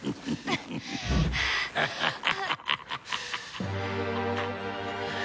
ハハハハハハ！